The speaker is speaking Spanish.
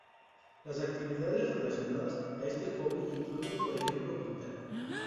Las actividades relacionadas a este hobby incluyen por ejemplo, pintar.